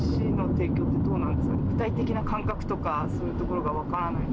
具体的な感覚とかそういうところが分からない。